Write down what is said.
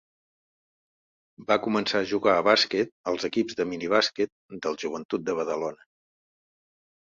Va començar a jugar a bàsquet als equips de minibàsquet del Joventut de Badalona.